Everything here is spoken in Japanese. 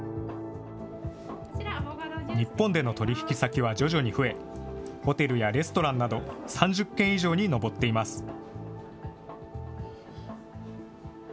日本での取り引き先は徐々に増え、ホテルやレストランなど３０件以上に上っています。